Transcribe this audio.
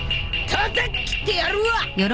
たたっ切ってやるわ！